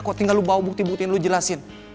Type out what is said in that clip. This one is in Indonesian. kok tinggal lo bawa bukti bukti yang lo jelasin